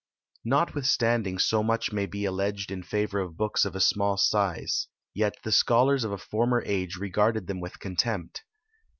Notwithstanding so much may be alleged in favour of books of a small size, yet the scholars of a former age regarded them with contempt.